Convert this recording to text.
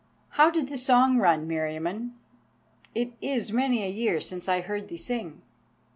"How did the song run, Meriamun? It is many a year since I heard thee sing."